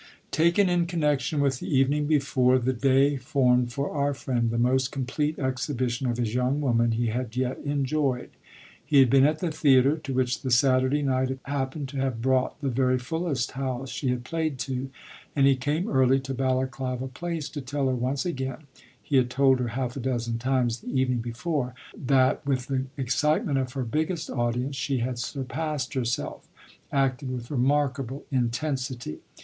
Taken in connection with the evening before, the day formed for our friend the most complete exhibition of his young woman he had yet enjoyed. He had been at the theatre, to which the Saturday night happened to have brought the very fullest house she had played to, and he came early to Balaklava Place, to tell her once again he had told her half a dozen times the evening before that with the excitement of her biggest audience she had surpassed herself, acted with remarkable intensity.